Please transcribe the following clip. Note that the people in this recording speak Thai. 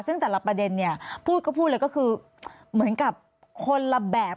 ซึ่งแต่ละประเด็นเนี่ยพูดก็พูดเลยก็คือเหมือนกับคนละแบบ